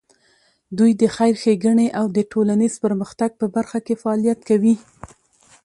دوی د خیر ښېګڼې او د ټولنیز پرمختګ په برخه کې فعالیت کوي.